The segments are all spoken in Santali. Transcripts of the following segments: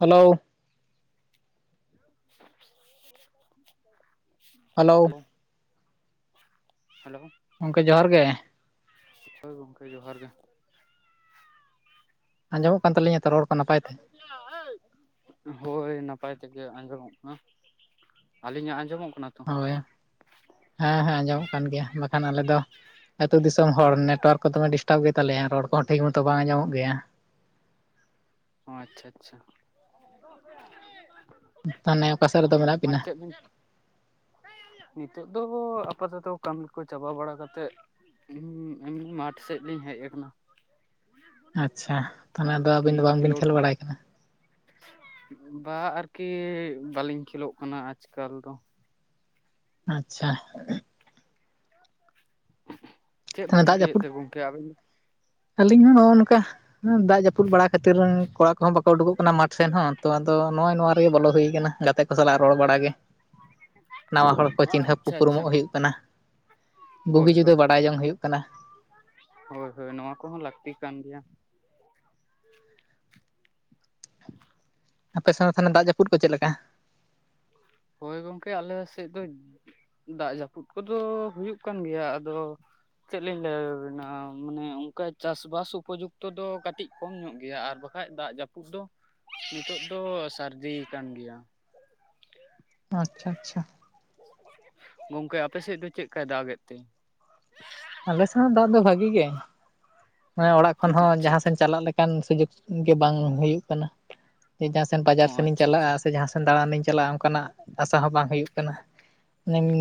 ᱦᱮᱞᱳᱣ᱾ [unintelligible] Hello hello. ᱦᱮᱞᱳᱣ᱾ ᱜᱚᱝᱠᱮ ᱡᱚᱦᱟᱨ ᱜᱮ, ᱦᱳᱭ ᱜᱚᱝᱠᱮ ᱡᱚᱦᱟᱨ ᱜᱮ᱾ ᱟᱸᱡᱚᱢᱚᱜ ᱠᱟᱱ ᱛᱟᱞᱤᱧᱟ ᱛᱚ ᱨᱚᱲ? ᱠᱚ ᱱᱟᱯᱟᱭ ᱛᱮ ᱦᱳᱭ ᱱᱟᱯᱟᱭ ᱛᱮᱜᱮ ᱟᱸᱡᱚᱢᱚᱜ ᱠᱟᱱᱟ᱾ ᱟᱞᱤᱧᱟᱜ ᱟᱸᱡᱚᱢᱚᱜ ᱠᱟᱱᱟ ᱛᱚ? ᱦᱳᱭ, ᱦᱮᱸ ᱦᱮᱸ ᱟᱸᱡᱚᱢᱚᱜ ᱠᱟᱱ ᱜᱮᱭᱟ, ᱵᱟᱠᱷᱟᱱ ᱟᱞᱮ ᱫᱚ ᱟᱹᱛᱩ ᱫᱤᱥᱚᱢ ᱦᱚᱲ, ᱱᱮᱴᱚᱣᱟᱨᱠ ᱠᱚ ᱫᱚᱢᱮ ᱰᱤᱥᱴᱟᱵ ᱜᱮᱛᱟᱞᱮᱭᱟ, ᱨᱚᱲ ᱠᱚᱦᱚᱸ ᱴᱷᱤᱠ ᱢᱚᱛᱚ ᱵᱟᱝ ᱟᱧᱡᱚᱢᱚᱜ ᱜᱮᱭᱟ᱾ ᱚ ᱟᱪᱪᱷᱟ ᱟᱪᱪᱷᱟ᱾ ᱛᱟᱦᱚᱞᱮ ᱚᱠᱟ ᱥᱮᱫ ᱨᱮᱫᱚ ᱢᱮᱱᱟᱜ ᱟᱨ ᱵᱤᱱᱟ ᱪᱮᱫ ᱵᱤᱱ ᱱᱤᱛᱚᱜ ᱫᱚ ᱵᱚ ᱟᱯᱟᱛᱚᱛᱚ ᱠᱟᱹᱢᱤ ᱠᱚ ᱪᱟᱵᱟ ᱵᱟᱲᱟ ᱠᱟᱛᱮᱫ ᱦᱩᱸ ᱚᱢᱱᱤ ᱢᱟᱴᱷ ᱥᱮᱫ ᱞᱤᱧ ᱦᱮᱡ ᱟᱠᱟᱱᱟ, ᱟᱪᱪᱷᱟ ᱛᱟᱦᱚᱞᱮ ᱟᱫᱚ ᱳᱠᱮ ᱟᱹᱵᱤᱱ ᱫᱚ ᱵᱟᱝᱵᱤᱱ ᱠᱷᱮᱞ ᱵᱟᱲᱟᱭ ᱠᱟᱱᱟ ᱵᱟ ᱟᱨᱠᱤ ᱵᱟᱹᱞᱤᱧ ᱠᱷᱮᱞᱳᱜ ᱠᱟᱱᱟ ᱟᱡᱠᱟᱞ ᱫᱚ᱾ ᱟᱪᱪᱷᱟ, ᱪᱮᱫ ᱛᱟᱦᱚᱞᱮ ᱵᱮᱱ ᱫᱟᱜ ᱪᱤᱠᱟᱹᱭᱮᱫ ᱡᱟᱹᱯᱩᱫ ᱛᱮ ᱜᱚᱝᱠᱮ ᱟᱵᱮᱱ ᱫᱚ? ᱟᱹᱞᱤᱧ ᱦᱚᱸ ᱱᱚᱜᱼᱚ ᱱᱚᱝᱠᱟ, ᱦᱩᱸ ᱫᱟᱜ ᱡᱟᱹᱯᱩᱫ ᱵᱟᱲᱟ ᱠᱷᱟᱹᱛᱤᱨ ᱠᱚᱲᱟ ᱠᱚᱦᱚᱸ ᱵᱟᱠᱚ ᱩᱰᱩᱠᱚᱜ ᱠᱟᱱᱟ, ᱢᱟᱴᱷ ᱥᱮᱱ ᱦᱚᱸ ᱛᱚ ᱟᱫᱚ ᱱᱚᱜᱼᱚᱭ ᱱᱚᱣᱟ ᱨᱮᱜᱮ ᱵᱚᱞᱚ ᱦᱩᱭᱠ ᱜᱟᱛᱮ ᱠᱚ ᱥᱟᱞᱟᱜ ᱨᱚᱲ ᱵᱟᱲᱟᱜ ᱜᱮ, ᱱᱟᱣᱟ ᱦᱚᱲ ᱠᱚ ᱪᱤᱱᱦᱟᱹᱯ ᱟᱪᱪᱷᱟ ᱟᱪᱪᱷᱟ ᱩᱯᱨᱩᱢᱚᱜ ᱦᱩᱭᱩᱜ ᱠᱟᱱᱟ ᱦᱳᱭ ᱵᱩᱜᱤ ᱡᱩᱫᱟᱹ ᱦᱳᱭ ᱵᱟᱰᱟᱭ ᱡᱚᱝ ᱦᱩᱭᱩᱜ ᱠᱟᱱᱟ᱾ ᱦᱳᱭ ᱦᱳᱭ ᱱᱚᱣᱟ ᱠᱚᱦᱚᱸ ᱞᱟᱹᱠᱛᱤ ᱠᱟᱱ ᱜᱮᱭᱟ ᱾ [inaudible] ᱟᱯᱮ ᱥᱮᱫ ᱫᱚ ᱛᱟᱦᱮᱞᱮ ᱫᱟᱜ ᱡᱟᱹᱯᱩᱫ ᱠᱚ ᱪᱮᱫ ᱞᱮᱠᱟ᱾ ᱦᱳᱭ ᱜᱚᱝᱠᱮ ᱟᱞᱮ ᱥᱮᱫ ᱫᱚ ᱫᱟᱜ ᱡᱟᱹᱯᱩᱫ ᱠᱚᱫᱚ ᱦᱩᱭᱩᱜ ᱠᱟᱱ ᱜᱮᱭᱟ ᱟᱫᱚ᱾ ᱪᱮᱫ ᱞᱤᱧ ᱞᱟᱹᱭᱟᱵᱮᱱᱟ ᱢᱟᱱᱮ ᱚᱱᱠᱟ ᱪᱟᱥᱵᱟᱥ ᱩᱯᱚᱡᱩᱠᱛᱚ ᱫᱚ ᱠᱟᱹᱴᱤᱡ ᱠᱚᱢ ᱧᱚᱜ ᱜᱮᱭᱟ ᱟᱨ ᱵᱟᱠᱷᱟᱡ ᱫᱟᱜ ᱡᱟᱹᱯᱩᱫ ᱫᱚ ᱱᱤᱛᱚᱜ ᱫᱚ ᱥᱟᱨᱡᱤᱭ ᱟᱠᱟᱱ ᱜᱮᱭᱟ᱾ ᱟᱪᱪᱷᱟ ᱟᱪᱪᱷᱟ᱾ ᱜᱚᱝᱠᱮ ᱟᱯᱮ ᱥᱮᱫ ᱫᱚ ᱪᱮᱫᱠᱟᱭ ᱫᱟᱜᱮᱫ ᱛᱮ᱾ ᱟᱞᱮ ᱥᱮᱱᱟᱜ ᱫᱟᱜ ᱫᱚ ᱵᱷᱟᱜᱤ ᱜᱮ᱾ ᱢᱟᱱᱮ ᱚᱲᱟᱜ ᱚ ᱠᱷᱚᱱ ᱦᱚᱸ ᱟᱪᱪᱷᱟ ᱡᱟᱸᱦᱟᱸ ᱥᱮᱱ ᱟᱪᱪᱷᱟ ᱪᱟᱞᱟᱜ ᱞᱮᱠᱟᱱ ᱥᱩᱡᱳᱜ ᱜᱮ ᱵᱟᱝ ᱦᱩᱭᱩᱜ ᱠᱟᱱᱟ᱾ ᱡᱟᱸᱦᱟᱸ ᱥᱮᱱ ᱵᱟᱡᱟᱨ ᱚ ᱥᱮᱱ ᱤᱧ ᱟᱪᱪᱷᱟ ᱪᱟᱞᱟᱜᱼᱟ ᱟᱪᱪᱷᱟ ᱥᱮ ᱡᱟᱸᱦᱟᱸ ᱥᱮᱱ ᱫᱟᱬᱟᱱᱤᱧ ᱪᱟᱞᱟᱜᱼᱟ ᱚᱱᱠᱟᱱᱟᱜ ᱟᱥᱟ ᱦᱚᱸ ᱵᱟᱝ ᱦᱩᱭᱩᱜ ᱠᱟᱱᱟ᱾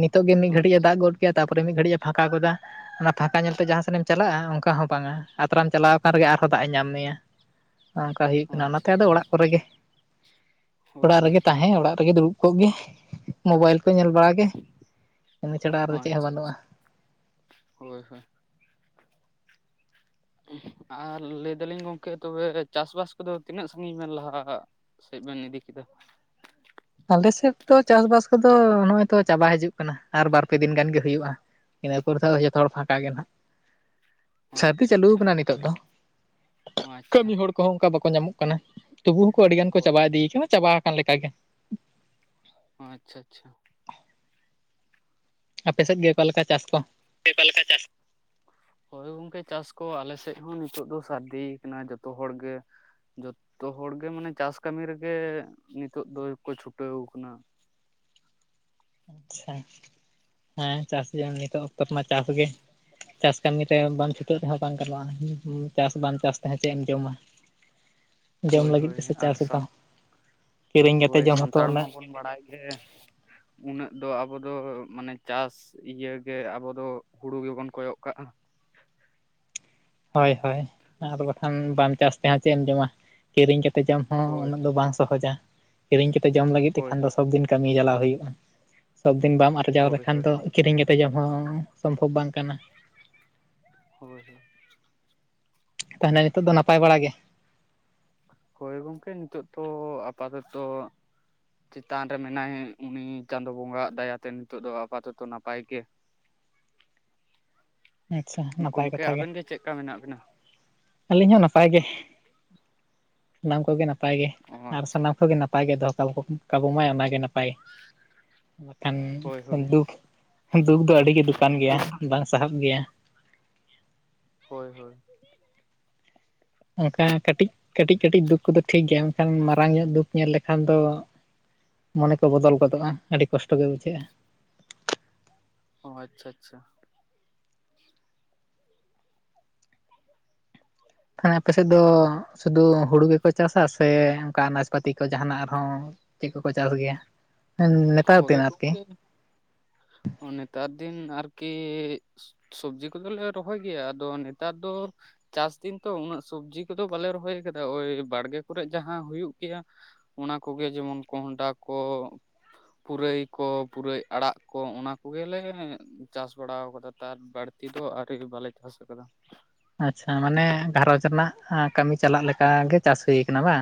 ᱱᱤᱛᱚᱜ ᱜᱮ ᱢᱤᱫ ᱚ ᱜᱷᱟᱹᱲᱤᱡ ᱮ ᱟᱪᱪᱷᱟ ᱫᱟᱜ ᱟᱪᱪᱷᱟ ᱜᱚᱫ ᱠᱮᱫ ᱛᱟᱯᱚᱨᱮ ᱢᱤᱫ ᱜᱷᱟᱟᱹᱲᱤᱡ ᱮ ᱯᱷᱟᱸᱠᱟ ᱜᱚᱫᱟ ᱚᱱᱟ ᱯᱷᱟᱸᱠᱟ ᱧᱮᱞᱛᱮ ᱡᱟᱸᱦᱟᱸ ᱥᱮᱱ ᱮᱢ ᱪᱟᱞᱟᱜᱼᱟ ᱚᱱᱠᱟ ᱦᱚᱸ ᱵᱟᱝ ᱟᱛᱨᱨᱟᱟᱢ ᱪᱟᱞᱟᱣ ᱚᱠᱟ ᱨᱮᱜᱮ ᱟᱨᱦᱚᱸ ᱫᱟᱜ ᱮ ᱧᱟᱢ ᱢᱮᱭᱟ ᱚᱝᱠᱟ ᱦᱩᱭᱩᱜ ᱚ ᱠᱟᱱᱟ ᱚᱱᱟᱛᱮ ᱟᱪᱪᱷᱟ ᱟᱫᱚ ᱚᱲᱟᱜ ᱟᱪᱪᱷᱟ ᱠᱚᱨᱮ ᱜᱮ᱾ ᱦᱳᱭ ᱚᱲᱟᱜ ᱦᱳᱭ ᱨᱮᱜᱮ ᱛᱟᱦᱮᱸ ᱚᱲᱟᱜ ᱨᱮᱜᱮ ᱫᱩᱲᱩᱵ ᱠᱚ ᱜᱮ ᱢᱳᱵᱟᱭᱤᱞ ᱠᱚ ᱧᱮᱞ ᱵᱟᱲᱟᱜ ᱜᱮ ᱤᱱᱟᱹ ᱪᱷᱟᱲᱟ ᱚ ᱟᱨᱫᱚ ᱪᱮᱫ ᱦᱚᱸ ᱟᱪᱪᱷᱟ ᱵᱟᱹᱱᱩᱜᱼᱟ᱾ ᱟᱪᱪᱷᱟ ᱦᱳᱭ ᱦᱳᱭ᱾ ᱟᱨ ᱞᱟᱹᱭ ᱫᱟᱞᱤᱧ ᱜᱚᱝᱠᱮ ᱛᱚᱵᱮ ᱪᱟᱥᱵᱟᱥ ᱠᱚᱫᱚ ᱛᱤᱱᱟᱹᱜ ᱥᱟᱺᱟᱹᱜᱤᱧ ᱢᱮᱱ ᱞᱟᱦᱟ ᱥᱮᱫ ᱵᱮᱱ ᱤᱫᱤ ᱠᱮᱫᱟ? ᱟᱞᱮ ᱥᱮᱫ ᱫᱚ ᱪᱟᱥ ᱵᱟᱥ ᱠᱚ ᱫᱚ ᱱᱚᱜᱼᱚᱭ ᱛᱚ ᱪᱟᱵᱟ ᱦᱤᱡᱩᱜ ᱠᱟᱱᱟ᱾ ᱟᱨ ᱵᱟᱨ ᱯᱮ ᱫᱤᱱ ᱜᱟᱱ ᱜᱮ ᱦᱩᱭᱩᱜᱼᱟ, ᱤᱱᱟᱹ ᱯᱚᱨ ᱫᱚ ᱡᱚᱛᱚ ᱦᱚᱲ ᱯᱷᱟᱠᱟ ᱜᱮ ᱱᱟᱦᱟᱜ᱾ ᱚ ᱥᱟᱹᱨᱫᱤ ᱟᱪᱪᱷᱟ ᱪᱟᱹᱞᱩ ᱟᱪᱪᱷᱟ ᱠᱟᱱᱟ ᱱᱤᱛᱚᱜ ᱫᱚ, ᱚ ᱟᱪᱪᱷᱟ ᱠᱟᱹᱢᱤ ᱦᱚᱲ ᱠᱚᱦᱚᱸ ᱚᱱᱠᱟ ᱵᱟᱠᱚ ᱧᱟᱢᱚᱜ ᱠᱟᱱᱟ᱾ ᱛᱩᱵᱩ ᱦᱚᱸᱠᱩ ᱟᱹᱰᱤ ᱜᱟᱱ ᱠᱚ ᱦᱳᱭ ᱪᱟᱵᱟ ᱤᱫᱤᱭ ᱠᱟᱱᱟ ᱪᱟᱵᱟ ᱟᱠᱟᱱ ᱞᱮᱠᱟ ᱜᱮ᱾ ᱳ ᱟᱪᱷᱟ ᱟᱪᱪᱷᱟ᱾ ᱟᱯᱮ ᱥᱮᱫ ᱜᱮ ᱚᱠᱟᱮ ᱞᱮᱠᱟ ᱪᱟᱥ ᱠᱚ? ᱚᱠᱟ ᱞᱮᱠᱟ ᱪᱟᱥ ᱦᱳᱭ ᱜᱚᱝᱠᱮ ᱪᱟᱥ ᱠᱚ ᱟᱞᱮ ᱥᱮᱫ ᱦᱚᱸ ᱱᱤᱛᱚᱜ ᱫᱚ ᱥᱟᱹᱨᱫᱤ ᱠᱟᱱᱟ ᱡᱚᱛᱚ ᱦᱚᱲ ᱜᱮ᱾ ᱡᱚᱛᱚ ᱦᱚᱲ ᱜᱮ ᱢᱟᱱᱮ ᱪᱟᱥ ᱠᱟᱹᱢᱤ ᱨᱮᱜᱮ ᱱᱤᱛᱚᱜ ᱫᱚᱠᱚ ᱪᱷᱩᱴᱟᱹᱣ ᱟᱠᱟᱱᱟ᱾ ᱟᱪᱪᱷᱟ ᱦᱮᱸ ᱪᱟᱥ [inaudible] ᱱᱤᱛᱚᱜ ᱚᱠᱛᱚ ᱨᱮᱢᱟ ᱪᱟᱥ ᱜᱮ᱾ ᱪᱟᱥ ᱠᱟᱹᱢᱤ ᱨᱮ ᱵᱟᱢ ᱪᱷᱩᱴᱟᱹᱜ ᱛᱮᱦᱚᱸ ᱵᱟᱝ ᱜᱟᱱᱚᱜᱼᱟ᱾ ᱪᱟᱥ ᱵᱟᱢ ᱪᱟᱥ ᱛᱮ ᱦᱚᱸ ᱪᱮᱫ ᱮᱢ ᱡᱚᱢᱟ᱾ ᱡᱚᱢ ᱦᱳᱭ ᱞᱟᱹᱜᱤᱫ ᱦᱳᱭ ᱜᱮ ᱥᱮ ᱟᱨ ᱪᱟᱥ ᱥᱟᱱ ᱮᱫᱟᱢ, ᱠᱤᱨᱤᱧ ᱦᱳᱭ ᱠᱟᱛᱮᱫ ᱡᱚᱢ ᱦᱚᱸᱛᱚ ᱥᱟᱱᱛᱟᱲ ᱩᱱᱟᱹᱜ ᱢᱟᱵᱚᱱ ᱵᱟᱲᱟᱭ ᱜᱮ ᱩᱱᱟᱹᱜ ᱫᱚ ᱟᱵᱚ ᱫᱚ ᱢᱟᱱᱮ ᱪᱟᱥ ᱤᱭᱟ. ᱜᱮ ᱟᱵᱚ ᱫᱚ ᱦᱩᱲᱩ ᱜᱮᱵᱚᱱ ᱠᱚᱭᱚᱜ ᱠᱟᱜᱼᱟ᱾ ᱦᱳᱭ ᱦᱳᱭ ᱟᱨ ᱵᱟᱠᱷᱟᱱ ᱵᱟᱢ ᱪᱟᱥ ᱛᱮ ᱦᱚᱸ ᱪᱮᱫ ᱮᱢ ᱡᱚᱢᱟ᱾ ᱠᱤᱨᱤᱧ ᱠᱟᱛᱮ ᱡᱚᱢ ᱦᱚᱸ ᱦᱳᱭ ᱩᱱᱟᱹᱜ ᱫᱚ ᱵᱟᱝ ᱥᱚᱦᱚᱡᱟ ᱠᱤᱨᱤᱧ ᱠᱟᱛᱮ ᱡᱚᱢ ᱞᱟᱹᱜᱤᱫ ᱦᱳᱭ ᱛᱮᱠᱷᱟᱱ ᱫᱚ ᱦᱳᱭ ᱥᱚᱵ ᱫᱤᱱ ᱠᱟᱹᱢᱤ ᱪᱟᱞᱟᱣ ᱦᱩᱭᱩᱜᱼᱟ, ᱥᱚᱵ ᱫᱤᱱ ᱵᱟᱢ ᱟᱨᱡᱟᱣ ᱦᱳᱭ ᱞᱮᱠᱷᱟᱱ ᱦᱳᱭ ᱫᱚ ᱠᱤᱨᱤᱧ ᱠᱟᱛᱮ ᱡᱚᱢ ᱦᱚᱸ ᱥᱚᱢᱵᱷᱚᱵᱽ ᱵᱟᱝ ᱠᱟᱱᱟ᱾ ᱦᱳᱭ ᱛᱟᱦᱮᱞᱮ ᱱᱤᱛᱚᱜ ᱫᱚ ᱱᱟᱯᱟᱭ ᱵᱟᱲᱟ ᱜᱮ᱾ ᱦᱳᱭ ᱜᱚᱝᱠᱮ ᱱᱤᱛᱚᱜ ᱛᱚ ᱟᱯᱟᱛᱚᱛᱚ ᱪᱮᱛᱟᱱ ᱨᱮ ᱢᱮᱱᱟᱭ ᱩᱱᱤ ᱪᱟᱸᱫᱚ ᱵᱚᱸᱜᱟᱭᱟᱜ ᱫᱟᱭᱟᱛᱮ ᱱᱤᱛᱚᱜ ᱫᱚ ᱟᱯᱟᱛᱚᱛᱚ ᱱᱟᱯᱟᱭ ᱜᱮ ᱟᱪᱪᱷᱟ ᱱᱟᱯᱟᱭ ᱠᱟᱛᱷᱟ ᱜᱮ᱾ ᱪᱮᱜᱠᱟ ᱢᱮᱱᱟᱜ ᱵᱮᱱᱟ? ᱟᱞᱤᱧ ᱦᱚᱸ ᱱᱟᱯᱟᱭ ᱜᱮ ᱥᱟᱱᱟᱢ ᱠᱚᱜᱮ ᱱᱟᱯᱟᱭ ᱜᱮ ᱚ ᱟᱨ ᱟᱪᱪᱷᱟ ᱥᱟᱱᱟᱢ ᱠᱚᱜᱮ ᱱᱟ ᱯᱟᱭ ᱜᱮ ᱫᱚᱦᱚ ᱠᱟᱵᱚ ᱠᱟᱵᱚ ᱢᱟᱭ ᱚᱱᱟ ᱜᱮ ᱱᱟ- ᱯᱟᱭ ᱵᱟᱠᱷᱟᱱ ᱦᱳᱭ ᱦᱳᱭ ᱫᱩᱠᱷ ᱫᱩᱠᱷ ᱫᱚ ᱟᱹᱰᱤ ᱜᱮ ᱫᱩᱠᱟᱱ ᱜᱮᱭᱟ ᱵᱟ ᱥᱟᱦᱟᱵ ᱜᱮᱭᱟ᱾ ᱦᱳᱭ ᱦᱳᱭ᱾ ᱚᱝᱠᱟ ᱠᱟᱴᱤᱡ ᱠᱟᱴᱤᱡ ᱠᱟᱴᱤᱡ ᱫᱩᱠ ᱠᱚᱫᱚ ᱴᱷᱤᱠ ᱜᱮᱭᱟ ᱢᱮᱱᱠᱷᱟᱱ ᱢᱟᱨᱟᱝ ᱧᱚᱜ ᱫᱩᱠ ᱧᱮᱞ ᱞᱮᱠᱷᱟᱱ ᱫᱚ ᱢᱚᱱᱮ ᱠᱚ ᱵᱚᱫᱚᱞ ᱜᱚᱫᱚᱜ-ᱟ ᱟᱰᱤ ᱠᱚᱥᱴᱚ ᱜᱮ ᱵᱩᱡᱷᱟᱹᱜ-ᱟ᱾ ᱚ ᱟᱪᱪᱷᱟ ᱟᱪᱪᱷᱟ᱾ ᱠᱷᱟᱱ ᱟᱯᱮ ᱥᱮᱫ ᱫᱚ ᱥᱩᱫᱷᱩ ᱦᱩᱲᱩ ᱜᱮᱯᱮ ᱪᱟᱥᱟ ᱥᱮ ᱚᱝᱠᱟ ᱟᱱᱟᱡᱽ ᱯᱟᱛᱤ ᱠᱚ ᱡᱟᱦᱟᱱᱟᱜ ᱟᱨᱦᱚᱸ ᱪᱮᱜ ᱠᱚᱠᱚ ᱪᱟᱥ ᱜᱮᱭᱟ ᱱᱮᱛᱟᱨ ᱦᱳᱭ ᱫᱤᱱ ᱟᱨᱠᱤ? ᱜᱚᱝᱠᱮ ᱱᱮᱛᱟᱨ ᱫᱤᱱ ᱟᱨᱠᱤ᱾ ᱥᱚᱵᱽᱡᱤ ᱠᱚᱫᱚᱞᱮ ᱨᱚᱦᱚᱭ ᱜᱮᱭᱟ ᱟᱫᱚ ᱱᱮᱛᱟᱨ ᱫᱚ ᱪᱟᱥ ᱫᱤᱱ ᱛᱚ ᱩᱱᱟᱹᱜ ᱥᱚᱵᱽᱡᱤ ᱠᱚᱫᱚ ᱵᱟᱞᱮ ᱨᱚᱦᱚᱭ ᱠᱟᱫᱟ ᱳᱭ ᱵᱟᱲᱜᱮ ᱠᱚᱨᱮ ᱡᱟᱦᱟ ᱦᱩᱭᱩᱜ ᱜᱮᱭᱟ ᱚᱱᱟ ᱠᱚᱜᱮ ᱡᱮᱢᱚᱱ ᱠᱚᱸᱦᱰᱟ ᱠᱚ ᱯᱩᱨᱟᱹᱭ ᱠᱚ ᱯᱩᱨᱟᱹᱭ ᱟᱲᱟᱜ ᱠᱚ ᱚᱱᱟ ᱠᱚᱜᱮ ᱞᱮ ᱪᱟᱥ ᱵᱟᱲᱟᱣ ᱠᱟᱫᱟ ᱛᱟᱨ ᱵᱟᱲ ᱛᱤ ᱫᱚ ᱟᱣᱨᱤ ᱵᱟᱞᱮ ᱪᱟᱥ ᱠᱟᱫᱟ᱾ ᱟᱪᱪᱷᱟ ᱢᱟᱱᱮ ᱜᱷᱟᱨᱚᱡᱽ ᱨᱮᱱᱟᱜ ᱠᱟᱢᱤ ᱪᱟᱞᱟᱜ ᱞᱮᱠᱟ ᱜᱮ ᱪᱟᱥ ᱦᱩᱭ ᱠᱟᱱᱟ ᱵᱟ?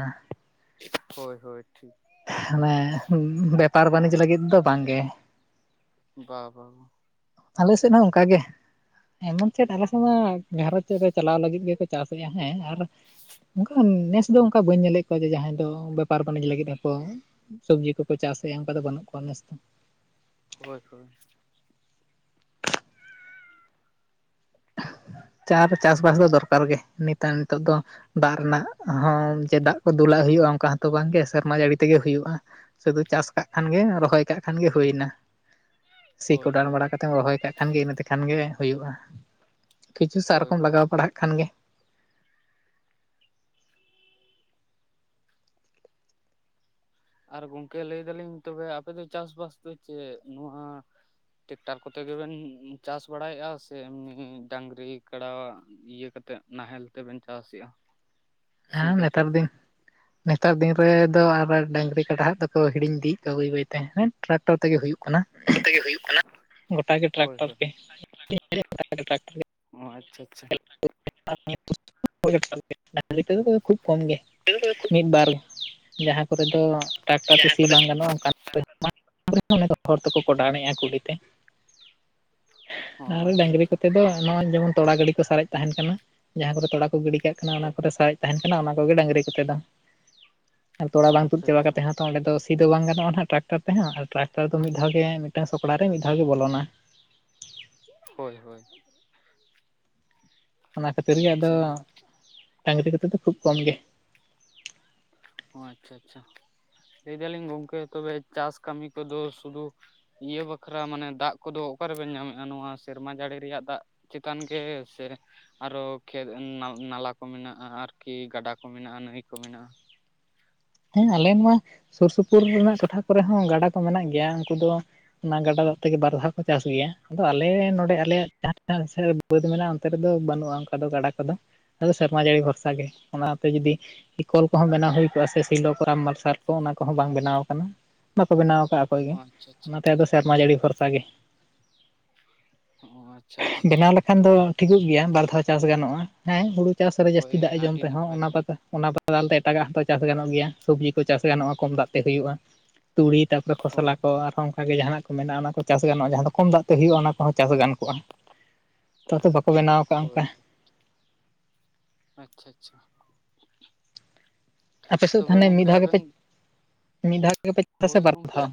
ᱦᱳᱭ ᱦᱳᱭ ᱴᱷᱤᱠ᱾ ᱚᱱᱮ ᱵᱮᱯᱟᱨ ᱵᱟᱱᱤᱡᱽ ᱞᱟᱜᱤᱫ ᱫᱚ ᱵᱟᱝ ᱜᱮ᱾ ᱵᱟ ᱵᱟ ᱵᱟ᱾ ᱟᱞᱮ ᱥᱮᱫ ᱦᱚᱸ ᱚᱱᱠᱟ ᱜᱮ ᱮᱢᱚᱱ ᱪᱮᱫ ᱟᱞᱮ ᱥᱮᱜ ᱢᱟ ᱜᱷᱟᱨᱚᱸᱡᱽ ᱨᱮ ᱪᱟᱞᱟᱣ ᱞᱟᱹᱜᱤᱫ ᱜᱮᱠᱚ ᱪᱟᱥ ᱜᱮᱭᱟ ᱦᱮᱸ ᱟᱨ ᱚᱝᱠᱟ ᱱᱮᱥ ᱫᱚ ᱚᱱᱠᱟ ᱵᱟᱹᱧ ᱧᱮᱞᱮᱜ ᱠᱚᱣᱟ ᱡᱮ ᱡᱟᱦᱟᱸᱭ ᱫᱚ ᱵᱮᱯᱟᱨ ᱵᱟᱱᱤᱡᱽ ᱞᱟᱹᱜᱤᱫ ᱦᱚᱸᱠᱚ ᱥᱚᱵᱽᱡᱤ ᱠᱚᱠᱚ ᱪᱟᱥᱮᱜ-ᱟ ᱚᱝᱠᱟ ᱫᱚ ᱵᱟᱱᱩᱜ ᱠᱚᱣᱟ ᱱᱮᱥ ᱫᱚ᱾ [unintelligible] ᱪᱟᱨ ᱪᱟᱥᱵᱟᱥ ᱫᱚ ᱫᱚᱨᱠᱟᱨ ᱜᱮ ᱱᱤᱛᱟᱱ ᱱᱤᱛᱚᱜ ᱫᱚ᱾ ᱫᱟᱜ ᱨᱮᱱᱟᱜ ᱦᱚᱸ ᱡᱮ ᱫᱟᱜ ᱠᱚ ᱫᱩᱞᱟᱜ ᱦᱩᱭᱩᱜ-ᱟ ᱚᱝᱠᱟ ᱦᱚᱸ ᱛᱚ ᱵᱟᱝ ᱜᱮ ᱥᱮᱨᱢᱟ ᱡᱟᱲᱤ ᱛᱮᱜᱮ ᱦᱩᱭᱩᱜ-ᱟ᱾ ᱥᱩᱫᱩ ᱪᱟᱥ ᱠᱟᱜ ᱠᱷᱟᱱ ᱜᱮ ᱨᱚᱦᱚᱭ ᱠᱟᱜ ᱠᱷᱟᱱ ᱜᱮ ᱦᱩᱭᱮᱱᱟ ᱥᱤ ᱦᱳᱭ ᱠᱚᱰᱟᱱ ᱦᱳᱭ ᱵᱟᱲᱟ ᱠᱟ ᱛᱮᱢ ᱨᱚᱦᱚᱭ ᱠᱟᱜ ᱠᱷᱟᱱ ᱜᱮ ᱤᱱᱟᱹ ᱛᱮᱠᱷᱟᱱ ᱜᱮ ᱦᱩᱭᱩᱜ-ᱟ ᱠᱤᱪᱷᱩ ᱥᱟᱨ ᱦᱳᱭ ᱠᱚᱢ ᱦᱳᱭ ᱞᱟᱜᱟᱣ ᱯᱟᱲᱦᱟᱜ ᱠᱷᱟᱱ ᱜᱮ᱾ ᱟᱨ ᱜᱚᱝᱠᱮ ᱞᱟᱹᱭ ᱫᱟᱞᱤᱧ ᱛᱚᱵᱮ ᱟᱯᱮ ᱫᱚ ᱪᱟᱥᱵᱟᱥ ᱫᱚ ᱪᱮᱜ ᱱᱚᱣᱟ ᱴᱮᱠᱴᱟᱨ ᱠᱚᱛᱮ ᱜᱮᱵᱮᱱ ᱪᱟᱥ ᱵᱟᱲᱟᱭᱮᱜ-ᱟ ᱥᱮ ᱮᱢᱱᱤ ᱰᱟᱸᱝᱨᱤ ᱠᱟᱲᱟᱣᱟᱜ᱾ ᱤᱭᱟᱹ ᱠᱟᱛᱮᱜ ᱱᱟᱦᱮᱞ ᱛᱮᱵᱮᱱ ᱪᱟᱥᱮᱜ-ᱟ᱾ ᱦᱟᱸ ᱱᱮᱛᱟᱨ ᱫᱤᱱ᱾ ᱱᱮᱛᱟᱨ ᱫᱤᱱ ᱨᱮ ᱫᱚ ᱟᱵᱟᱨ ᱰᱟᱹᱝᱨᱤ ᱠᱟᱰᱟ ᱦᱟᱜ ᱫᱚᱠᱚ ᱦᱤᱲᱤᱧ ᱤᱫᱤᱭᱮᱜ ᱫᱚ ᱵᱟᱹᱭ ᱵᱟᱹᱭᱛᱮ ᱦᱮᱸᱴ ᱴᱨᱟᱠᱴᱚᱨ ᱛᱮᱜᱮ ᱦᱩᱭᱩᱜ ᱠᱟᱱᱟ᱾ ᱛᱮᱜᱮ ᱦᱩᱭᱩᱜ ᱠᱟᱱᱟ᱾ ᱜᱚᱴᱟᱜᱮ ᱴᱨᱟᱠᱴᱟᱨ ᱛᱮ᱾᱾ ᱚ ᱟᱪᱪᱷᱟ ᱟᱪᱪᱷᱟ [unintelligible] [unintelligible] ᱞᱟᱹᱭ ᱛᱮᱫᱚ ᱛᱚᱵᱮ ᱠᱷᱩᱵ ᱠᱚᱢ ᱜᱮ ᱢᱤᱫ ᱵᱟᱨ ᱜᱮ ᱡᱟᱸᱦᱟ ᱠᱚᱨᱮ ᱫᱚ᱾ ᱴᱨᱟᱠᱴᱟᱨ ᱛᱮ ᱥᱤ ᱵᱟᱝ ᱜᱟᱱᱚᱜ-ᱟ [unintelligible] ᱦᱚᱲ ᱛᱮᱠᱚ ᱠᱚᱰᱟᱱᱮᱜ-ᱟ ᱠᱩᱰᱤᱛᱮ᱾ ᱚ ᱟᱨᱚ ᱟᱪᱪᱷᱟ ᱰᱟᱝᱨᱤ ᱟᱪᱪᱷᱟ ᱠᱚᱛᱮ ᱫᱚ ᱱᱚᱜ-ᱚᱭ ᱡᱮᱢᱚᱱ ᱛᱚᱲᱟ ᱜᱟᱹᱰᱤ ᱠᱚ ᱥᱟᱨᱮᱡ ᱛᱟᱦᱮᱱ ᱠᱟᱱᱟ ᱡᱟᱦᱟ ᱠᱚᱨᱮ ᱛᱚᱲᱟ ᱠᱚ ᱜᱤᱰᱤ ᱠᱟᱜ ᱠᱟᱱᱟ ᱚᱱᱟ ᱦᱳᱭ ᱠᱚᱨᱮ ᱥᱟᱨᱮᱡ ᱛᱟᱦᱮᱱ ᱠᱟᱱᱟ ᱚᱱᱟ ᱠᱚᱜᱮ ᱰᱟᱸᱝᱨᱤ ᱠᱚᱛᱮ ᱫᱚ ᱟᱨ ᱛᱚᱲᱟ ᱵᱟᱝ ᱛᱩᱫ ᱟᱪᱪᱷᱟ ᱪᱟᱵᱟ ᱟᱪᱪᱷᱟ ᱠᱟᱛᱮ ᱦᱚᱸ ᱛᱚ ᱚᱸᱰᱮ ᱫᱚ ᱥᱤ ᱫᱚ ᱵᱟᱝ ᱜᱟᱱᱚᱜ-ᱟ ᱱᱷᱟᱜ ᱴᱨᱟᱠᱴᱚᱨ ᱛᱮᱦᱚᱸ ᱟᱨ ᱴᱨᱟᱠᱴᱚᱨ ᱫᱚ ᱢᱤᱜ ᱫᱷᱟᱣ ᱜᱮ ᱢᱤᱜᱴᱟᱝ ᱥᱚᱠᱲᱟ ᱨᱮ ᱢᱤᱫ ᱫᱷᱟᱣ ᱜᱮ ᱵᱚᱞᱚᱱᱟ᱾ ᱦᱳᱭ ᱦᱳᱭ᱾ ᱚᱱᱟ ᱠᱷᱟᱹᱛᱤᱨ ᱜᱮ ᱟᱫᱚ ᱟᱪᱪᱷᱟ ᱰᱟᱸᱝᱨᱤ ᱠᱚᱛᱮ ᱫᱚ ᱠᱷᱩᱵ ᱠᱚᱢ ᱜᱮ᱾ ᱚ ᱟᱪᱪᱷᱟ ᱟᱪᱪᱷᱟ, ᱞᱟᱹᱭ ᱫᱟᱞᱤᱧ ᱜᱚᱝᱠᱮ ᱛᱚᱵᱮ ᱪᱟᱥ ᱠᱟᱹᱢᱤ ᱠᱚᱫᱚ ᱥᱩᱫᱩ ᱤᱭᱟᱹ ᱵᱟᱠᱷᱨᱟ ᱢᱟᱱᱮ ᱫᱟᱜ ᱠᱚᱫᱚ ᱚᱠᱟ ᱨᱮᱵᱮᱱ ᱧᱟᱢᱮᱫᱼᱟ ᱱᱚᱣᱟ ᱥᱮᱨᱢᱟ ᱡᱟᱹᱲᱤ ᱨᱮᱭᱟᱜ ᱫᱟᱜ ᱪᱮᱛᱟᱱ ᱜᱮ ᱥᱮ ᱟᱨᱚ ᱠᱷᱮᱛ ᱱᱟ-ᱱᱟᱞᱟ ᱠᱚ ᱢᱮᱱᱟᱜᱼᱟ ᱟᱨᱠᱤ, ᱜᱟᱰᱟ ᱠᱚ ᱢᱮᱱᱟᱜᱼᱟ, ᱱᱟᱹᱭ ᱠᱚ ᱢᱮᱱᱟᱜᱼᱟ? ᱦᱮᱸ ᱟᱞᱮ ᱱᱚᱣᱟ ᱥᱩᱨ ᱥᱩᱯᱩᱨ ᱨᱮᱱᱟᱜ ᱴᱚᱴᱷᱟ ᱠᱚᱨᱮ ᱦᱚᱸ ᱜᱟᱰᱟ ᱠᱚ ᱢᱮᱱᱟᱜ ᱜᱮᱭᱟ, ᱩᱝᱠᱩ ᱫᱚ ᱚᱱᱟ ᱜᱟᱰᱟ ᱫᱚᱜ ᱛᱮ ᱜᱮ ᱵᱟᱨ ᱫᱷᱟᱣ ᱪᱟᱥ ᱜᱮᱭᱟ᱾ ᱟᱫᱚ ᱟᱞᱮ ᱱᱚᱸᱰᱮ ᱟᱞᱮᱭᱟᱜ ᱡᱟᱦᱟᱸ [inaudible] ᱥᱮᱫ ᱵᱟᱹᱫᱽ ᱢᱮᱱᱟᱜᱼᱟ ᱚᱱᱛᱮ ᱨᱮᱫᱚ ᱵᱟᱹᱱᱩᱜᱼᱟ ᱚᱝᱠᱟ ᱫᱚ ᱜᱟᱰᱟ ᱠᱚᱫᱚ᱾ ᱟᱫᱚ ᱥᱮᱨᱢᱟ ᱡᱟᱹᱲᱤ ᱵᱷᱚᱨᱥᱟ ᱜᱮ, ᱚᱱᱟ ᱛᱮ ᱡᱩᱫᱤ ᱠᱚᱠ ᱠᱚᱦᱚᱸ ᱵᱮᱱᱟᱣ ᱦᱳᱭ ᱠᱚᱜᱼᱟ ᱥᱮ ᱥᱤᱞᱚ ᱠᱚ, ᱢᱟᱨᱥᱟᱞ ᱠᱚ, ᱚᱱᱟ ᱠᱚᱦᱚᱸ ᱵᱟᱝ ᱵᱮᱱᱟᱣ ᱠᱟᱱᱟ᱾ ᱵᱟᱠᱚ ᱵᱮᱱᱟᱣ ᱟᱠᱟᱜᱼᱟ ᱟᱠᱚᱭ ᱜᱮ᱾ ᱚ ᱟᱪᱪᱷᱟ ᱟᱪᱪᱷᱟ ᱚᱱᱟ ᱛᱮ ᱟᱫᱚ ᱥᱮᱨᱢᱟ ᱡᱟᱹᱲᱤ ᱵᱷᱚᱨᱥᱟ ᱜᱮ᱾ ᱦᱚᱸᱜ-ᱚ ᱟᱪᱪᱷᱟ ᱟᱪᱪᱷᱟ᱾ ᱠᱷᱟᱱ ᱫᱚ ᱴᱷᱤᱠᱚᱜ ᱜᱮᱭᱟ ᱵᱟᱨ ᱫᱷᱟᱣ ᱪᱟᱹᱥ ᱜᱟᱱᱚᱜᱼᱟ᱾ ᱦᱮᱸ ᱦᱩᱲᱳ ᱪᱟᱥ ᱨᱮ ᱡᱟᱹᱥᱛᱤ ᱫᱟᱜ ᱦᱳᱭ ᱮ ᱡᱚᱢ ᱟᱹᱰᱤ ᱛᱮᱦᱚᱸ ᱱᱟᱯᱟᱭ ᱚᱱᱟ ᱟᱯᱟᱛᱚ ᱜᱚᱝᱠᱮ ᱚᱱᱟ ᱵᱟᱫᱟᱞ ᱛᱮ ᱮᱴᱟᱜᱟᱜ ᱦᱚᱸᱛᱚ ᱪᱟᱹᱥ ᱜᱟᱱᱚᱜ ᱜᱮᱭᱟ, ᱥᱚᱵᱽᱡᱤ ᱠᱚ ᱪᱟᱹᱥ ᱜᱟᱱᱚᱜᱼᱟ ᱠᱚᱢ ᱫᱟᱜ ᱛᱮ ᱦᱳᱭᱳᱜᱼᱟ᱾ ᱛᱩᱲᱤ ᱛᱟᱯᱚᱨᱮ ᱠᱷᱚᱥᱞᱟ ᱦᱳᱭ ᱠᱚ ᱟᱨᱦᱚᱸ ᱚᱝᱠᱟ ᱜᱮ ᱡᱟᱦᱟᱸᱱᱟᱜ ᱠᱚ ᱢᱮᱱᱟᱜᱼᱟ ᱚᱱᱟ ᱠᱚ ᱪᱟᱹᱥ ᱜᱟᱱᱚᱜᱼᱟ᱾ ᱡᱟᱦᱟᱸ ᱫᱚ ᱠᱚᱢ ᱫᱟᱜ ᱛᱮ ᱦᱳᱭᱳᱜᱼᱟ ᱚᱱᱟ ᱠᱚᱦᱚᱸ ᱪᱟᱥ ᱜᱟᱱ ᱠᱚᱜᱼᱟ᱾ ᱛᱚ ᱛᱚ ᱵᱟᱠᱚ ᱵᱮᱱᱟᱣ ᱟᱠᱟᱜᱼᱟ ᱦᱳᱭ ᱚᱝᱠᱟ᱾ ᱟᱪᱪᱷᱟ ᱟᱪᱪᱷᱟ᱾ ᱟᱯᱮ ᱥᱮᱫ ᱛᱚᱵᱮ ᱛᱟᱦᱮᱱᱮ ᱢᱤᱫ ᱜᱚᱝᱠᱮ ᱫᱷᱟᱣ ᱜᱮᱯᱮ, ᱟᱵᱮᱱ ᱢᱤᱫ ᱫᱷᱟᱣ ᱜᱮᱯᱮ ᱪᱟᱥᱟ ᱥᱮ ᱦᱳᱭ ᱵᱟᱨ ᱜᱚᱝᱠᱮ, ᱫᱷᱟᱣ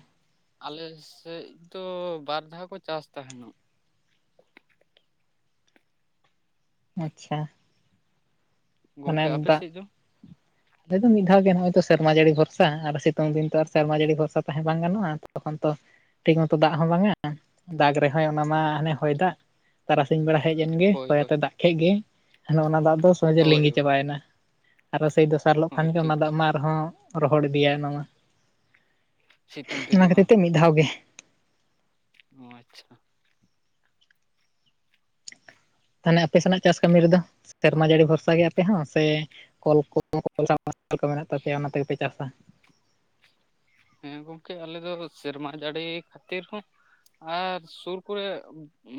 ᱟᱞᱮ ᱥᱮᱫ ᱫᱚ ᱵᱟᱨ ᱫᱷᱟᱣ ᱠᱚ ᱪᱟᱥ ᱛᱟᱦᱮᱸᱱᱚᱜ᱾ ᱟᱪᱪᱷᱟ᱾ ᱜᱚᱝᱠᱮ ᱢᱟᱱᱮ ᱟᱯᱮ ᱫᱟᱜ, ᱥᱮᱫ ᱫᱚ ᱟᱞᱮ ᱫᱚ ᱢᱤᱫ ᱫᱷᱟᱣ ᱜᱮ ᱱᱚᱜᱼᱚᱭ ᱛᱚ ᱥᱮᱨᱢᱟ ᱡᱟᱹᱲᱤ ᱵᱷᱚᱨᱥᱟ ᱟᱨ ᱥᱤ ᱛᱩᱝ ᱫᱤᱱ ᱛᱚ ᱟᱨ ᱥᱮᱨᱢᱟ ᱡᱟᱹᱲᱤ ᱵᱷᱚᱨᱥᱟ ᱛᱟᱦᱮᱸ ᱵᱟᱝ ᱜᱟᱱᱚᱜᱼᱟ, ᱛᱚᱠᱷᱚᱱ ᱛᱚ ᱴᱷᱤᱠ ᱢᱚᱛᱚ ᱫᱟᱜ ᱦᱚᱸ ᱵᱟᱝ ᱟ᱾ ᱫᱟᱜᱽ ᱨᱮᱦᱚᱸᱭ ᱚᱱᱟ ᱢᱟ ᱦᱟᱱᱮ ᱦᱚᱭ ᱫᱟᱜ, ᱛᱟᱨᱟᱥᱤᱧ ᱵᱮᱲᱟ ᱦᱮᱡ ᱮᱱᱜᱮ ᱦᱳᱭ ᱦᱚᱭ ᱦᱳᱭ ᱟᱛᱮ ᱫᱟᱜ ᱠᱷᱮᱡ ᱜᱮᱭ, ᱦᱟᱱᱮ ᱚᱱᱟ ᱫᱟᱜ ᱫᱚ ᱥᱚᱡᱮ ᱦᱳᱭ ᱞᱤᱸᱜᱤ ᱪᱟᱵᱟᱭᱮᱱᱟ᱾ ᱟᱨᱚ ᱥᱮᱭ ᱫᱚᱥᱟᱨ ᱦᱤᱞᱚᱜ ᱠᱷᱟᱱ ᱦᱳᱭ ᱜᱮ ᱴᱷᱤᱠ ᱚᱱᱟ ᱫᱟᱜ ᱢᱟ ᱨᱮᱦᱚᱸ ᱨᱚᱦᱚᱲ ᱤᱫᱤᱭᱟᱭ ᱚᱱᱟ ᱢᱟ᱾ ᱥᱤᱛᱩᱝ ᱚᱱᱟ ᱛᱮᱜᱮ ᱠᱷᱟᱹᱛᱤᱨ ᱵᱟᱝ ᱛᱮ ᱢᱤᱫ ᱫᱷᱟᱣ ᱜᱮ᱾ ᱚ ᱟᱪᱪᱷᱟ᱾ ᱛᱟᱦᱚᱱᱮ ᱟᱯᱮ ᱥᱮᱱᱟᱜ ᱪᱟᱥ ᱠᱟᱹᱢᱤ ᱨᱮᱫᱚ ᱥᱮᱨᱢᱟ ᱡᱟᱹᱲᱤ ᱵᱷᱚᱨᱥᱟ ᱜᱮ ᱟᱯᱮ ᱦᱚᱸ ᱥᱮ ᱠᱚᱞ ᱠᱚ ᱠᱚ [inaudible] ᱢᱮᱱᱟᱜ ᱛᱟᱯᱮᱭᱟ ᱚᱱᱟ ᱛᱮᱜᱮ ᱯᱮ ᱪᱟᱥᱟ᱾ ᱦᱮᱸ ᱜᱚᱝᱠᱮ ᱟᱞᱮ ᱫᱚ ᱥᱮᱨᱢᱟ ᱡᱟᱹᱲᱤ ᱠᱷᱟᱹᱛᱤᱨ ᱦᱚᱸ, ᱟᱨ ᱥᱩᱨ ᱠᱚᱨᱮ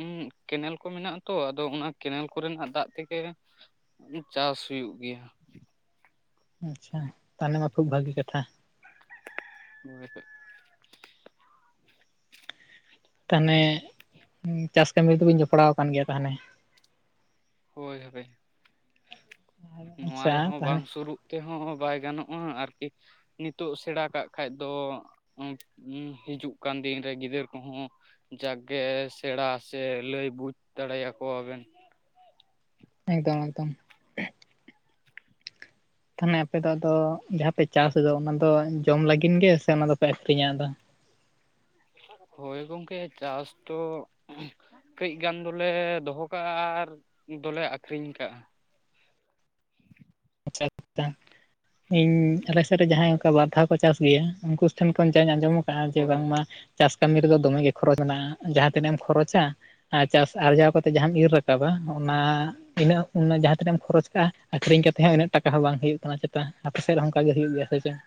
ᱩᱸ ᱠᱮᱱᱮᱞ ᱠᱚ ᱢᱮᱱᱟᱜ-ᱟ ᱛᱚ ᱟᱫᱚ ᱚᱱᱟ ᱠᱮᱱᱮᱞ ᱠᱚ ᱨᱮᱱᱟᱜ ᱫᱟᱜ ᱛᱮᱜᱮ, ᱪᱟᱥ ᱦᱩᱭᱩᱜ ᱜᱮᱭᱟ᱾ ᱟᱪᱪᱷᱟ, ᱛᱟᱦᱚᱱᱮ ᱢᱟ ᱠᱷᱩᱵ ᱵᱷᱟᱹᱜᱤ ᱠᱟᱛᱷᱟ᱾ [unintelligible] ᱛᱟᱦᱚᱱᱮ, ᱪᱟᱥ ᱠᱟᱹᱢᱤ ᱨᱮᱫᱚ ᱵᱤᱱ ᱡᱚᱯᱲᱟᱣ ᱟᱠᱟᱱ ᱜᱮᱭᱟ ᱛᱟᱦᱚᱱᱮ᱾ ᱦᱳᱭ ᱦᱚᱵᱮ, ᱱᱚᱣᱟ ᱟᱪᱪᱷᱟ ᱨᱮᱦᱚᱸ ᱛᱟᱦᱚᱞᱮ ᱵᱟᱝ ᱥᱩᱨᱩᱜ ᱛᱮᱦᱚᱸ ᱵᱟᱭ ᱜᱟᱱᱚᱜᱼᱟ ᱟᱨᱠᱤ, ᱱᱤᱛᱚᱜ ᱥᱮᱬᱟ ᱠᱟᱜ ᱠᱷᱟᱡ ᱫᱚ ᱦᱤᱡᱩᱜ ᱠᱟᱱ ᱫᱤᱱ ᱨᱮ ᱜᱤᱫᱟᱹᱨ ᱠᱚᱦᱚᱸ ᱡᱟᱜᱽ ᱜᱮ ᱥᱮᱬᱟ ᱥᱮ ᱞᱟᱹᱭ ᱵᱩᱡᱽ ᱫᱟᱲᱮᱭᱟ ᱠᱚᱣᱟ ᱵᱮᱱ᱾ ᱮᱠᱫᱚᱢ ᱮᱠᱫᱚᱢ᱾ ᱛᱟᱦᱚᱱᱮ ᱟᱯᱮ ᱫᱚ ᱟᱫᱚ ᱡᱟᱦᱟᱸ ᱯᱮ ᱪᱟᱥ ᱮᱫᱟ, ᱚᱱᱟ ᱫᱚ ᱡᱚᱢ ᱞᱟᱹᱜᱤᱫ ᱜᱮ ᱥᱮ ᱚᱱᱟ ᱫᱚᱯᱮ ᱟᱠᱷᱨᱤᱧᱟ ᱟᱫᱚ? ᱦᱳᱭ ᱜᱚᱝᱠᱮ ᱪᱟᱥ ᱫᱚ ᱠᱟᱹᱡ ᱜᱟᱱ ᱫᱚᱞᱮ ᱫᱚᱦᱚ ᱠᱟᱜᱼᱟ, ᱟᱨ ᱫᱚᱞᱮ ᱟᱠᱷᱨᱤᱧ ᱠᱟᱜᱼᱟ᱾ [inaudible] ᱤᱧ ᱟᱞᱮ ᱥᱮᱫ ᱨᱮ ᱡᱟᱦᱟᱸᱭ ᱚᱝᱠᱟ ᱵᱟᱨ ᱫᱷᱟᱣ ᱠᱚ ᱪᱟᱥ ᱜᱮᱭᱟ, ᱩᱝᱠᱩ ᱴᱷᱮᱱ ᱠᱷᱚᱱ ᱡᱟᱧ ᱟᱸᱡᱚᱢ ᱠᱟᱜ-ᱟ ᱡᱮ ᱦᱳᱭ ᱵᱟᱝᱢᱟ ᱪᱟᱥ ᱠᱟᱹᱢᱤ ᱨᱮᱫᱚ ᱫᱚᱢᱮ ᱜᱮ ᱠᱷᱚᱨᱚᱪ ᱢᱮᱱᱟᱜᱼᱟ᱾ ᱡᱟᱦᱟᱸ ᱛᱤᱱᱟᱹᱜ ᱮᱢ ᱠᱷᱚᱨᱚᱪᱟ ᱟᱨ ᱪᱟᱥ ᱟᱨᱡᱟᱣ ᱠᱟᱛᱮᱜ ᱡᱟᱦᱟᱸᱢ ᱤᱨ ᱨᱟᱠᱟᱵᱟ ᱚᱱᱟ ᱤᱱᱟᱹᱜ ᱩᱱ ᱡᱟᱦᱟᱸ ᱛᱤᱱᱟᱹᱜ ᱮᱢ ᱠᱷᱚᱨᱚᱪ ᱠᱟᱜᱼᱟ ᱟᱹᱠᱷᱨᱤᱧ ᱠᱟ ᱛᱮᱦᱚᱸ ᱤᱱᱟᱹᱜ ᱴᱟᱠᱟ ᱦᱚᱸ ᱵᱟᱝ ᱦᱩᱭᱩᱜ ᱠᱟᱱᱟ ᱪᱮᱛᱟ ᱟᱯᱮ ᱥᱮᱫ ᱨᱮ ᱦᱚᱸ ᱚᱱᱠᱟ ᱜᱮ ᱦᱩᱭᱩᱜ ᱜᱮᱭᱟ ᱥᱮ ᱪᱮᱫ?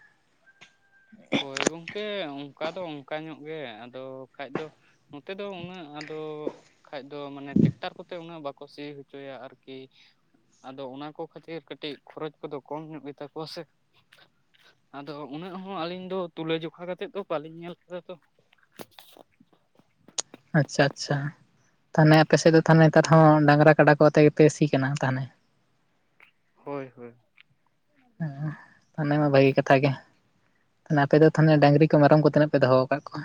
ᱦᱳᱭ, ᱜᱚᱝᱠᱮ ᱚᱱᱠᱟ ᱫᱚ ᱚᱱᱠᱟ ᱧᱚᱜ ᱜᱮ, ᱟᱫᱚ ᱠᱷᱟᱡ ᱫᱚ ᱱᱚᱛᱮ ᱫᱚ ᱩᱱᱟᱹᱜ ᱟᱫᱚ ᱠᱷᱟᱡ ᱫᱚ ᱢᱟᱱᱮ ᱴᱮᱠᱴᱟᱨ ᱠᱚᱛᱮ ᱩᱱᱟᱹᱜ ᱵᱟᱠᱚ ᱥᱤ ᱦᱚᱪᱚᱭᱟ ᱟᱨᱠᱤ᱾ ᱟᱫᱚ ᱚᱱᱟ ᱠᱚ ᱠᱷᱟᱹᱛᱤᱨ ᱠᱟᱹᱴᱤᱡ ᱠᱷᱚᱨᱚᱪ ᱠᱚᱫᱚ ᱠᱚᱢ ᱧᱚᱜ ᱜᱮᱛᱟ ᱠᱚᱣᱟ ᱥᱮ᱾ ᱟᱫᱚ ᱩᱱᱟᱹᱜ ᱦᱚᱸ ᱟᱹᱞᱤᱧ ᱟᱫᱚ ᱛᱩᱞᱟᱹ ᱡᱚᱠᱷᱟ ᱠᱟᱛᱮᱜ ᱛᱚ ᱵᱟᱹᱞᱤᱧ ᱧᱮᱞ ᱠᱮᱫᱟ ᱛᱚ ᱾ ᱟᱪᱪᱷᱟ ᱟᱪᱪᱷᱟ, ᱛᱟᱦᱚᱞᱮ ᱟᱯᱮ ᱥᱮᱫ ᱫᱚ ᱛᱟᱦᱚᱞᱮ ᱱᱮᱛᱟᱨ ᱦᱚᱸ ᱰᱟᱝᱨᱟ ᱠᱟᱰᱟ ᱠᱚ ᱟᱛᱮ ᱜᱮᱯᱮ ᱥᱤ ᱠᱟᱱᱟ ᱛᱟᱦᱚᱞᱮ ᱾ ᱦᱳᱭ ᱦᱳᱭ ᱾ ᱦᱚᱸ ᱛᱟᱦᱚᱞᱮ ᱢᱟ ᱵᱷᱟᱹᱜᱤ ᱠᱟᱛᱷᱟ ᱜᱮ ᱾ ᱟᱯᱮ ᱫᱚ ᱛᱟᱦᱚᱞᱮ ᱰᱟᱝᱨᱤ ᱠᱚ ᱢᱮᱨᱚᱢ ᱠᱚ ᱛᱤᱱᱟᱹᱜ ᱯᱮ ᱫᱚᱦᱚ ᱟᱠᱟᱫ ᱠᱚᱣᱟ?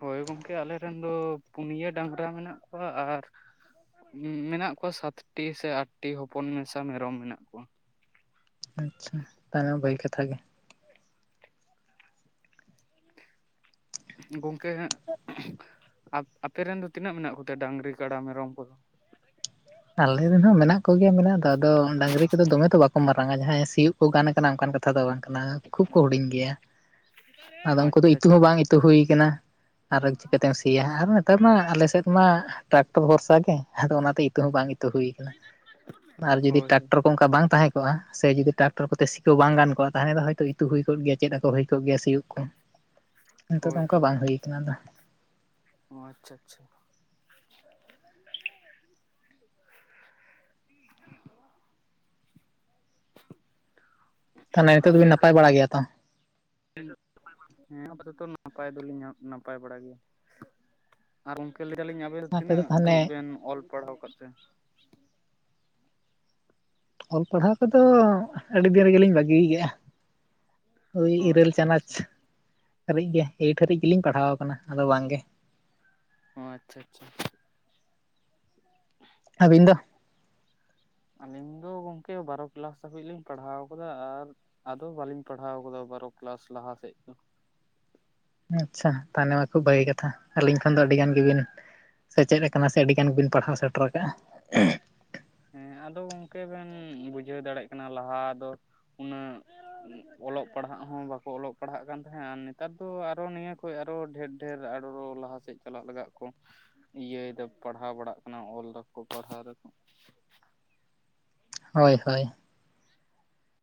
ᱦᱳᱭ ᱜᱚᱢᱠᱮ ᱟᱞᱮ ᱨᱮᱱ ᱫᱚ ᱯᱩᱱᱭᱟᱹ ᱰᱟᱝᱨᱟ ᱢᱮᱱᱟᱜ ᱠᱚᱣᱟ ᱟᱨ ᱢᱮᱱᱟᱜ ᱠᱚᱣᱟ ᱥᱟᱛᱴᱤ ᱥᱮ ᱟᱴᱴᱤ ᱦᱚᱯᱚᱱ ᱢᱮᱥᱟ ᱢᱮᱨᱚᱢ ᱢᱮᱱᱟᱜ ᱠᱚᱣᱟ ᱾ ᱟᱪᱪᱷᱟ ᱛᱟᱦᱮ ᱵᱟᱹᱭ ᱠᱟᱛᱷᱟᱜ ᱜᱮ ᱾ ᱜᱚᱝᱠᱮ ᱟᱯᱮ ᱨᱮᱱ ᱫᱚ ᱛᱤᱱᱟᱹᱜ ᱢᱮᱱᱟᱜ ᱠᱚᱛᱮ ᱰᱟᱝᱨᱤ ᱠᱟᱰᱟ ᱢᱮᱨᱚᱢ ᱠᱚᱫᱚ? ᱟᱞᱮ ᱨᱮᱱ ᱦᱚᱸ ᱢᱮᱱᱟᱜ ᱠᱚᱜᱮᱭᱟ ᱢᱮᱱᱟᱜ ᱫᱚ ᱟᱫᱚ ᱰᱟᱹᱝᱨᱤ ᱠᱚᱫᱚ ᱫᱚᱢᱮ ᱫᱚ ᱵᱟᱠᱚ ᱢᱟᱨᱟᱝᱟ ᱡᱟᱦᱟᱸᱭ ᱥᱤᱭᱳᱜ ᱠᱚ ᱜᱟᱱ ᱟᱠᱟᱱᱟ ᱚᱱᱠᱟᱱ ᱠᱟᱛᱷᱟ ᱫᱚ ᱵᱟᱝ ᱠᱟᱱᱟ, ᱠᱷᱩᱵ ᱠᱚ ᱦᱩᱰᱤᱧ ᱜᱮᱭᱟ, ᱟᱫᱚ ᱩᱱᱠᱩ ᱫᱚ ᱟᱪᱪᱷᱟ ᱤᱛᱩ ᱦᱚᱸ ᱵᱟᱝ ᱤᱛᱩ ᱦᱩᱭ ᱟᱠᱟᱱᱟ ᱾ ᱟᱨ ᱪᱤᱠᱟᱹᱛᱮᱢ ᱥᱤᱭᱟ ᱟᱨ ᱱᱮᱛᱟᱨ ᱢᱟ ᱟᱞᱮᱥᱮᱫ ᱢᱟ ᱴᱨᱟᱠᱴᱚᱨ ᱵᱷᱚᱨᱥᱟ ᱜᱮ ᱟᱫᱚ ᱚᱱᱟᱛᱮ, [inaudible] ᱵᱟᱝ ᱤᱛᱟᱹ ᱦᱩᱭᱟ ᱟᱠᱟᱱᱟ ᱟᱨ ᱡᱩᱫᱤ ᱦᱳᱭ ᱴᱨᱟᱠᱴᱚᱨ [inaudible] ᱚᱱᱠᱟ ᱵᱟᱝ ᱛᱟᱦᱮᱸ ᱠᱚᱜᱼᱟ ᱥᱮ ᱡᱩᱫᱤ ᱴᱨᱟᱠᱴᱚᱨ ᱠᱚᱛᱮ ᱥᱤ ᱠᱚᱣᱟ ᱵᱟᱝ ᱜᱟᱱ ᱠᱚᱼᱟ ᱛᱟᱦᱚᱞ ᱫᱚ ᱦᱚᱳᱭᱛᱚ ᱤᱛᱩ ᱦᱩᱭ ᱠᱚᱜ ᱜᱮᱭᱟ ᱪᱮᱫ ᱟᱠᱚ ᱦᱩᱭ ᱠᱚᱜ ᱜᱮᱭᱟ ᱥᱤᱭᱳᱜ ᱱᱤᱛᱚᱜ ᱫᱚ ᱚᱱᱠᱟ ᱵᱟᱝ ᱦᱩᱭᱩ ᱠᱟᱱᱟ ᱟᱫᱚ ᱾ ᱚ ᱟᱪᱪᱷᱟ ᱟᱪᱪᱷᱟ ᱾ ᱛᱟᱦᱚᱞᱮ ᱱᱤᱛᱚᱜ ᱟᱨ ᱫᱚᱵᱤᱱ ᱞᱟᱹᱭ ᱱᱟᱯᱟᱭ ᱫᱟᱞᱤᱧ ᱵᱟᱲᱟ ᱜᱮᱭᱟ ᱛᱚ? ᱦᱮᱸ ᱟᱯᱟᱛᱟᱛᱚ ᱱᱟᱯᱟᱭ ᱫᱚᱞᱤᱧ ᱱᱟᱯᱟᱭ ᱵᱟᱲᱟ ᱜᱮᱭᱟ ᱾ ᱟᱨ ᱜᱚᱢᱠᱮ ᱞᱟᱹᱭ ᱫᱟᱞᱤᱧ ᱟᱵᱮᱱ ᱟᱯᱮ ᱛᱤᱱᱟᱹᱜ ᱫᱚ ᱫᱷᱟᱹᱨᱤᱡ ᱛᱟᱦᱚᱞᱮ ᱵᱮᱱ ᱚᱞ ᱯᱟᱲᱦᱟᱣ ᱠᱟᱫ ᱛᱮ? ᱚᱞ ᱯᱟᱲᱦᱟᱣ ᱠᱚᱫᱚ ᱟᱹᱰᱤ ᱫᱤᱱ ᱨᱮᱜᱮ ᱞᱤᱧ ᱵᱟᱹᱜᱤᱭ ᱠᱮᱫᱼᱟ ᱾ ᱳᱭ ᱚ ᱤᱨᱟᱹᱞ ᱟᱪᱪᱷᱟ ᱪᱟᱱᱟᱪ ᱟᱪᱪᱷᱟ ᱦᱟᱹᱨᱤᱡ ᱜᱮ ᱮᱭᱤᱴ ᱦᱟᱹᱨᱤᱡ ᱜᱮᱞᱤᱧ ᱯᱟᱲᱦᱟᱣ ᱟᱠᱟᱱᱟ ᱟᱫᱚ ᱵᱟᱝ ᱜᱮ ᱾ ᱚ ᱟᱪᱪᱷᱟ ᱟᱪᱪᱷᱟ ᱾ [inaudible] ᱟᱹᱵᱤᱱ ᱫᱚ? ᱟᱞᱤᱧ ᱫᱚ ᱜᱚᱝᱠᱮ ᱵᱟᱨᱚ ᱠᱮᱞᱟᱥ ᱫᱷᱟᱹᱵᱤᱡ ᱞᱤᱧ ᱯᱟᱲᱦᱟᱣ ᱟᱠᱟᱫᱟ ᱟᱨ ᱟᱫᱚ ᱵᱟᱟᱹᱞᱤᱧ ᱯᱟᱲᱦᱟᱣ ᱟᱠᱟᱫᱟ ᱵᱟᱨᱚ ᱠᱮᱞᱟᱥ ᱞᱟᱦᱟᱥᱮᱫ ᱫᱚ ᱾ ᱟᱪᱪᱷᱟ ᱛᱟᱦᱚᱞᱮ ᱢᱟ ᱠᱷᱩᱵ ᱵᱷᱟᱹᱜᱤ ᱠᱟᱛᱷᱟ, ᱟᱹᱞᱤᱧ ᱠᱷᱚᱱ ᱫᱚ ᱟᱹᱰᱤᱜᱟᱱ ᱜᱮᱵᱤᱱ, ᱥᱮᱪᱮᱫ ᱟᱠᱟᱱᱟ ᱥᱮ ᱟᱹᱰᱤᱜᱟᱱ ᱵᱤᱱ ᱯᱟᱲᱦᱟᱣ ᱥᱮᱴᱮᱨ ᱠᱟᱜᱼᱟ ᱾ ᱦᱮᱸ ᱟᱫᱚ ᱜᱚᱝᱠᱮ ᱵᱮᱱ ᱵᱩᱡᱷᱟᱹᱣ ᱫᱟᱲᱮᱭᱟᱜ ᱠᱟᱱᱟ ᱞᱟᱦᱟ ᱫᱚ ᱩᱱᱟᱹᱜ ᱚᱞᱚᱜ ᱯᱟᱲᱦᱟᱜ ᱦᱚᱸ ᱵᱟᱠᱚ ᱚᱞᱚᱜ ᱯᱟᱲᱦᱟᱜ ᱠᱟᱱ ᱛᱟᱦᱮᱸᱫ ᱟᱨ ᱱᱮᱛᱟᱨ ᱫᱚ ᱟᱨᱚ ᱱᱤᱭᱟᱹ ᱦᱚᱭ ᱟᱨᱚ ᱰᱷᱮᱨ ᱰᱷᱮᱨ ᱟᱨᱚ ᱞᱟᱦᱟ ᱥᱮᱫ ᱪᱟᱞᱟᱜ ᱞᱟᱜᱟᱜ ᱠᱚ ᱤᱭᱟᱹᱭ ᱮᱫᱟ ᱯᱟᱲᱦᱟᱣ ᱵᱟᱲᱟᱜ ᱠᱟᱱᱟ ᱚᱞ ᱫᱟᱠᱚ ᱯᱟᱲᱦᱟᱣ ᱫᱟᱠᱚ ᱾ ᱦᱳᱭ ᱦᱳᱭ ᱾